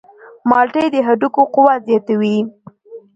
مالټې د هډوکو قوت زیاتوي.